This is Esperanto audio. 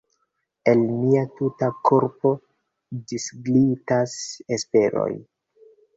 El mia tuta korpo disglitas Esperoj.